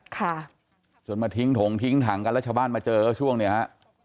ค่ะจนมาทิ้งถงทิ้งถังกันแล้วชาวบ้านมาเจอก็ช่วงเนี่ยฮะ